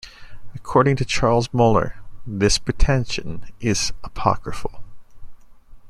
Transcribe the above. According to Charles Moeller, "this pretension is apocryphal".